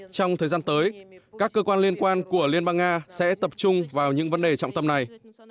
trong thời gian tới các cơ quan liên quan của liên bang nga sẽ tập trung vào những vấn đề trọng tâm này